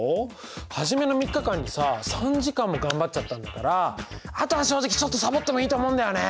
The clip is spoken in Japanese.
初めの３日間にさ３時間も頑張っちゃったんだからあとは正直ちょっとさぼってもいいと思うんだよね。